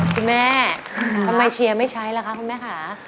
คุณแม่ทำไมเชียร์ไม่ใช้ล่ะคะคุณแม่ค่ะ